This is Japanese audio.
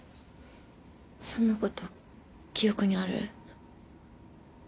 そのこと記憶にある？